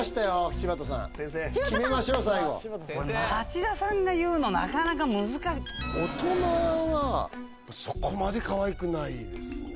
柴田さん決めましょう最後これ町田さんが言うのなかなか難しい大人はそこまでかわいくないですね